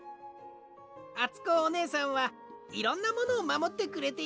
あつこおねえさんはいろんなものをまもってくれています。